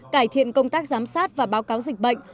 cải thiện công tác giám sát và báo cáo dịch bệnh